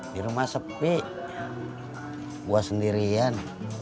di rumah sepi buat sendirian